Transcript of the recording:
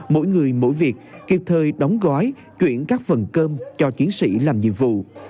mỗi người mỗi việc kịp thời đóng gói chuyển các phần cơm cho chiến sĩ làm nhiệm vụ